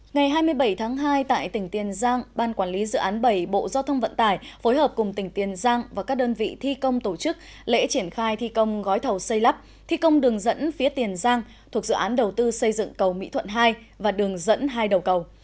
ngày hai mươi bảy tháng hai tại tỉnh tiền giang ban quản lý dự án bảy bộ giao thông vận tải phối hợp cùng tỉnh tiền giang và các đơn vị thi công tổ chức lễ triển khai thi công gói thầu xây lắp thi công đường dẫn phía tiền giang thuộc dự án đầu tư xây dựng cầu mỹ thuận hai và đường dẫn hai đầu cầu